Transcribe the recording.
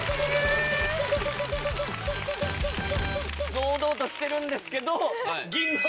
堂々としてるんですけど。